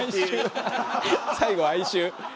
最後哀愁？